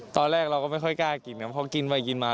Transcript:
ตอนแรกเราก็ไม่ค่อยกล้ากินนะเพราะกินไปกินมา